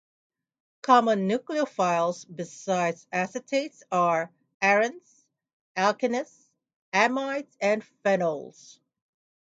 Common nucleophiles besides acetates are arenes, alkenes, amides, and phenols.